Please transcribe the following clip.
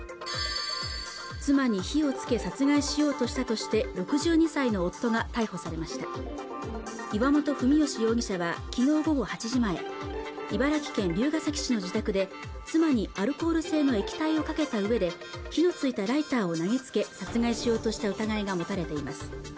妻に火をつけ殺害しようとしたとして６２歳の夫が逮捕されました岩本文宜容疑者はきのう午後８時前茨城県龍ケ崎市の自宅で妻にアルコール性の液体をかけた上で火のついたライターを投げつけ殺害しようとした疑いが持たれています